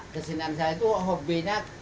kesinan saya itu hobinya